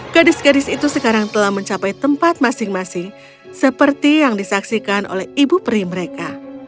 gadis gadis itu sekarang telah mencapai tempat masing masing seperti yang disaksikan oleh ibu peri mereka